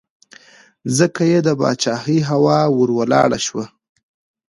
ځکه یې د پاچهۍ هوا ور ولاړه شوه.